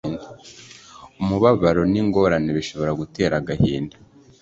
umubabaro n'ingorane bishobora gutera agahinda